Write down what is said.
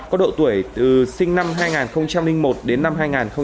có độ tuổi từ sinh năm hai nghìn một đến năm hai nghìn ba